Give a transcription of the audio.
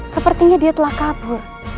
sepertinya dia telah kabur